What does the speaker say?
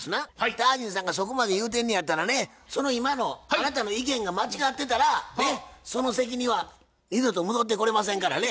タージンさんがそこまで言うてんのやったらねその今のあなたの意見が間違ってたらその席には二度と戻ってこれませんからね。